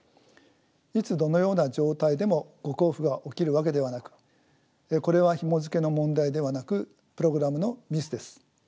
いつどのような状態でも誤交付が起きるわけではなくこれはひもづけの問題ではなくプログラムのミスです。